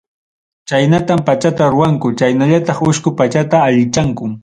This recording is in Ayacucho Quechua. Chaynatam pachata ruwanku chaynallataq uchku pachata allichanku.